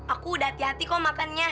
aku udah hati hati kok makannya